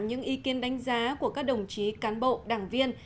những ý kiến đánh giá của các đồng chí cán bộ đảng viên